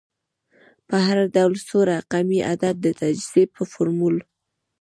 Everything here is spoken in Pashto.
په هر ډول څو رقمي عدد د تجزیې په فورمول